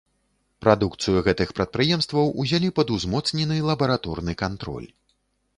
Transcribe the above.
Прадукцыю гэтых прадпрыемстваў узялі пад узмоцнены лабараторны кантроль.